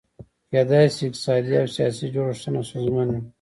کېدای شي اقتصادي او سیاسي جوړښتونه ستونزمن وي.